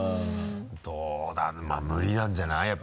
どうだまぁ無理なんじゃない？